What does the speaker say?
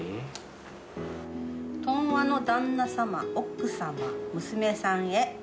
とん和の旦那様、奥様、娘さんへ。